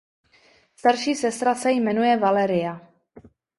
Starší sestra se jmenuje Valeria.